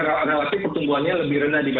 kurang lebih sama